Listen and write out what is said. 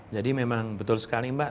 jadi memang betul sekali mbak